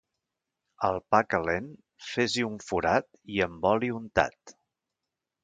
Al pa calent, fes-hi un forat i amb oli untat.